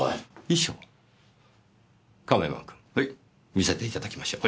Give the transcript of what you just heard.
見せていただきましょう。